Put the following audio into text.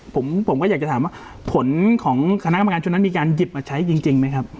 ผมผมก็อยากจะถามว่าผลของคณะกรรมการชุดนั้นมีการหยิบมาใช้จริงไหมครับ